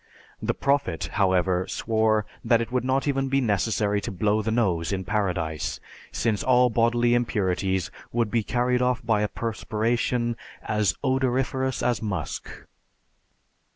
The Prophet, however, swore that it would not even be necessary to blow the nose in Paradise, since all bodily impurities would be carried off by a perspiration "as odoriferous as musk."